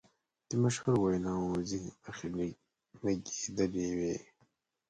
د مشهورو ویناوو ځینې برخې لګیدلې وې.